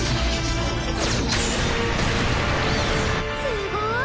すごい。